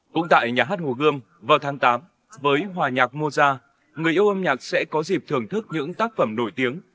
cũng tại nhà hát hồ gươm vào tháng tám với hòa nhạc moza người yêu âm nhạc sẽ có dịp thưởng thức những tác phẩm nổi tiếng